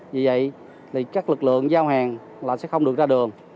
vì vậy thì các lực lượng giao hàng là sẽ không được ra đường